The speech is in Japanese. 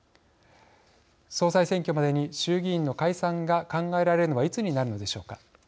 総裁選挙までに衆議院の解散が考えられるのはいつになるのでしょうか。